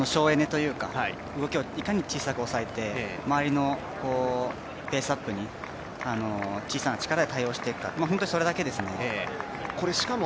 序盤は、省エネというか動きをいかに小さく抑えて周りのペースアップに小さな力で対応していくか本当にそれだけですね。